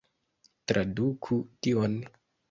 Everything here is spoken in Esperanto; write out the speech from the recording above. Traduku tion!